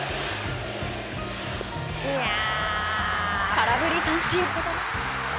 空振り三振！